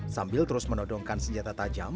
sambil terus menodongkan senjata tajam